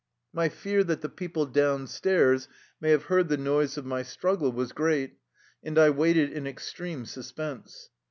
My fear that the peo ple down stairs may have heard the noise of my struggle was great, and I waited in extreme suspense.